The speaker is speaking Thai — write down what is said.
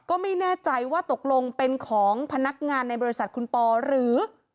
ก็ไม่แน่ใจว่าตกลงเป็นของพนักงานในบริษัทคุณปอหรือ